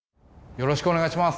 よろしくお願いします。